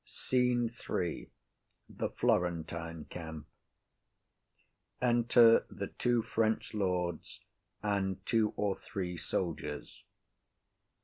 _] SCENE III. The Florentine camp. Enter the two French Lords and two or three Soldiers.